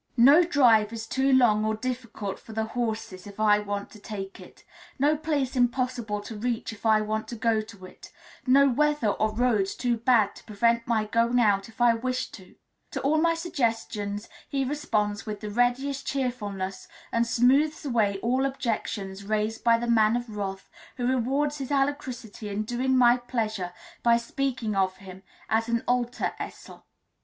No drive is too long or difficult for the horses if I want to take it, no place impossible to reach if I want to go to it, no weather or roads too bad to prevent my going out if I wish to: to all my suggestions he responds with the readiest cheerfulness, and smoothes away all objections raised by the Man of Wrath, who rewards his alacrity in doing my pleasure by speaking of him as an alter Esel.